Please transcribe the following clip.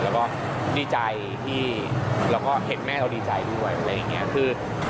แล้วก็ดีใจที่เราก็เห็นแม่เราดีใจด้วยอะไรอย่างนี้